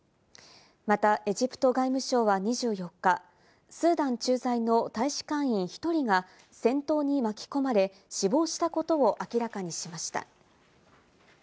またエジプト外務省は２４日、スーダン駐在の大使館員１人が戦闘に巻き込まれ、死亡したことを明らかにしました。